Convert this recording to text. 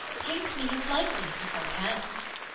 Paint me his likeness, if thou canst.